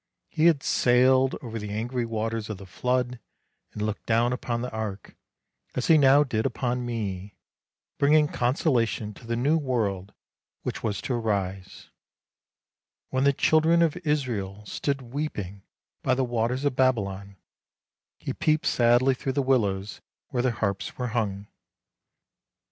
He had sailed over the angry waters of the flood and looked down upon the ark, as he now did upon me, bringing consolation to the new world which was to arise. When the 238 ANDERSEN'S FAIRY TALES children of Israel stood weeping by the waters of Babylon, he peeped sadly through the willows where their harps were hung.